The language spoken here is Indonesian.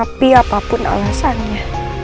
tapi apapun alasannya